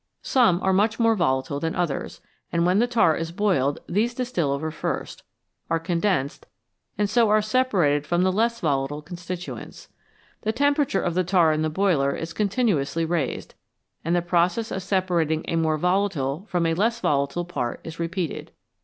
Some are much more volatile than others, and when the tar is boiled these distil over first, are con densed, and so are separated from the less volatile con stituents. The temperature of the tar in the boiler is continuously raised, and the process of separating a more volatile from a less volatile part is repeated.